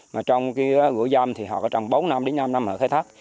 mà trong cái gỗ giam thì họ có trồng bốn năm đến năm năm mà khai thác